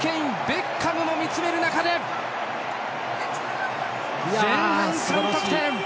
ベッカムも見つめる中で前半３得点！